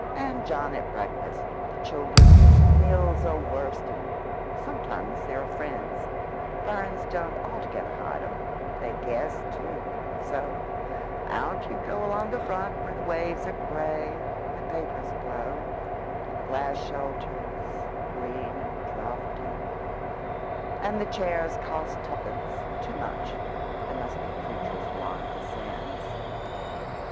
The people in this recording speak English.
And John at breakfast—the children—meals are worst, and sometimes there are friends—ferns don't altogether hide 'em—they guess, too; so out you go along the front, where the waves are grey, and the papers blow, and the glass shelters green and draughty, and the chairs cost tuppence—too much—for there must be preachers along the sands.